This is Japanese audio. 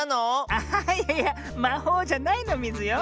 あいやいやまほうじゃないのミズよ。